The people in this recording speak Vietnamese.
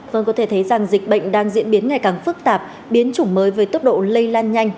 vâng có thể thấy rằng dịch bệnh đang diễn biến ngày càng phức tạp biến chủng mới với tốc độ lây lan nhanh